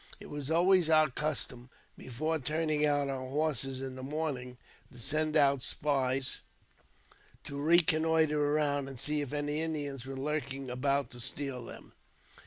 It was always our custom, before turning out our horses in the morning, to send out spies to reconnoitre around, and see if any Indians were lurking about to steal them.